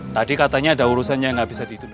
tadi katanya ada urusan yang nggak bisa ditunda